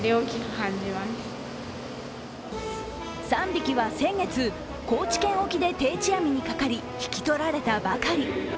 ３匹は先月、高知県沖で定置網にかかり引き取られたばかり。